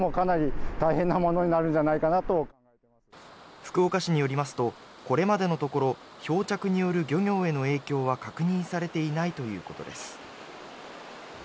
福岡市によりますとこれまでのところ漂着による漁業への影響は確認されていないということです。